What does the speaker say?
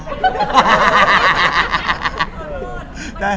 นะหะใช่หรอ